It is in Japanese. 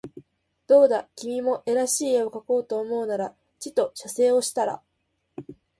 どうだ君も画らしい画をかこうと思うならちと写生をしたら